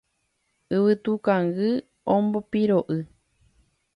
Yvytukangy ombopiro'y